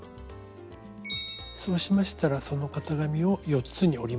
そうしましたらその型紙を４つに折ります。